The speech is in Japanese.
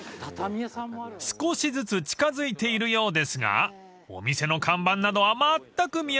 ［少しずつ近づいているようですがお店の看板などはまったく見当たりません］